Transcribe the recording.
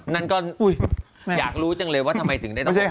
นั่นก็อยากรู้จังเลยว่าทำไมถึงได้ต้อง